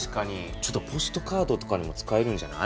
ちょっとポストカードとかにも使えるんじゃない？